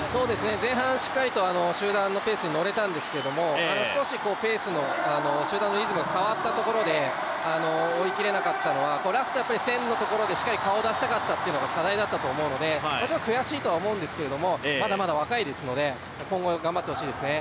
前半、しっかりと集団のペースに乗れたんですが少しペースの集団のリズムが変わったところで追い切れなかったのは、ラスト１０００のところでしっかり顔を出したかったというところが課題だったと思うのでちょっと悔しいとは思うんですがまだまだ若いですので、今後、頑張ってほしいですね。